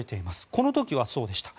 この時はそうでした。